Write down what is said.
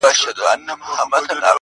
د مدرسو او مکتبونو کیسې؛